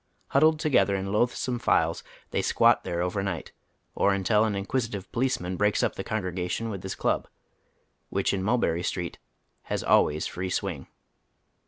Huddled together in loathsome fiies, they squat there over night, or until an inquisitive policeman breaks up the congregation with his clab, which in Mulberry Street has always free swing.